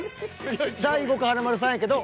大悟か華丸さんやけど。